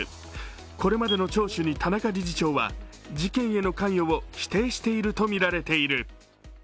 これまでの聴取の田中理事長は事件への関与を否定しているとみられている。